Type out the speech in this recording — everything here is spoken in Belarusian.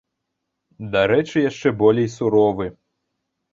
Дарэчы, яшчэ болей суровы.